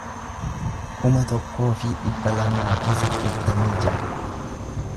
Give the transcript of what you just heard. kuma tokkoo fi dhibba lamaa fi saddeettamii ja'a